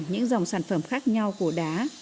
những dòng sản phẩm khác nhau của đá